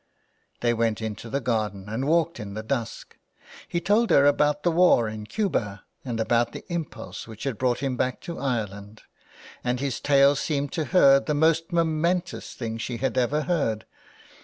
They went into the garden and walked in the dusk. He told her about the war in Cuba and about the impulse which had brought him back to Ireland, and his tale seemed to her the most momentous thing she had ever heard.